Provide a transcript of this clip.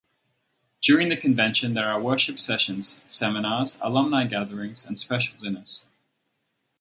During the convention, there are worship sessions, seminars, alumni gatherings, and special dinners.